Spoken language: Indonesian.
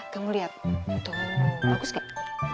kamu lihat tunggu bagus gak